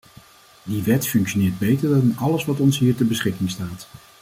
Die wet functioneert beter dan alles wat ons hier ter beschikking staat.